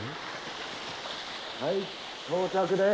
はい、到着です。